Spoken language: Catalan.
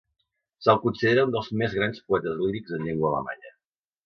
Se'l considera un dels més grans poetes lírics en llengua alemanya.